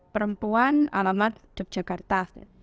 perempuan alamat depjakarta